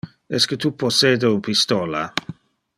Esque tu possede un pistola?